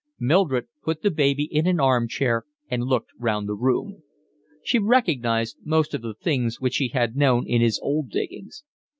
Mildred put the baby in an arm chair and looked round the room. She recognised most of the things which she had known in his old diggings.